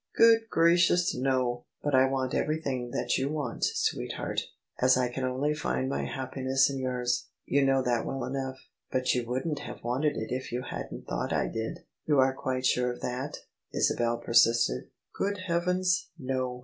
Good gracious, no! But I want everything that you want, sweetheart, as I can only find my happiness in yours. You know that well enough." " But you wouldn't have wanted it if you hadn't thought I did? You are quite sure of that? " Isabel persisted. " Good heavens, no